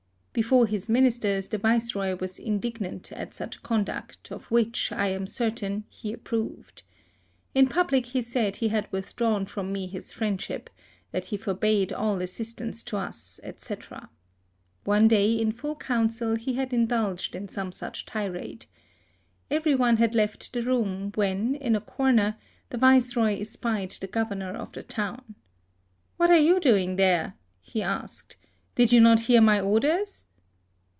Before his ministers the Viceroy was indignant at such conduct, of which, I am certain, he approved. In public he said he had withdrawn from me his friendship — ^that he forbade all assist ance to us, &c. One day in full council he had indulged in some such tirade. Every one had left the room, when, in a corner, the Viceroy espied the governor of the town. "What are you doing there?" he asked. 60 HISTORY OF " Did you not hear my orders